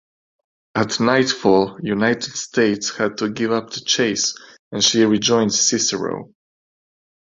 At nightfall "United States" had to give up the chase and she rejoined "Cicero".